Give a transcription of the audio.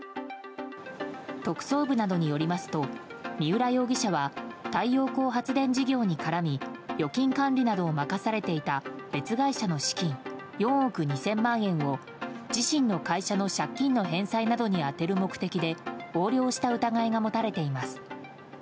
特捜部などによりますと三浦容疑者は太陽光発電事業に絡み預金管理などを任されていた別会社の資金４億２０００万円を自身の会社の借金の返済などに充てる目的で横領した疑いが持たれています。